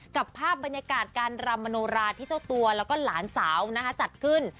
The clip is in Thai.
กับภาพบรรยากาศการรำมโนราที่เจ้าตัวแล้วก็หลานสาวจัดขึ้น